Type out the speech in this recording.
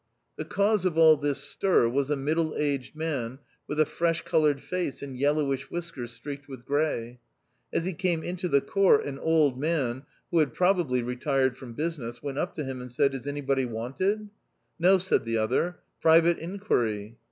The cause of all this stir was a middle aged man with a fresh coloured face and yellowish whiskers streaked with grey. As he came into the court an old man (who had pro bably retired from business) went up to him and said, " Is anybody wanted ?" "No," said the other; "private inquiry."